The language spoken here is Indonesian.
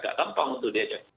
agak tampang untuk diajak